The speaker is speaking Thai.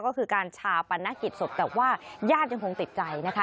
ก็คือการชาปนกิจศพแต่ว่าญาติยังคงติดใจนะคะ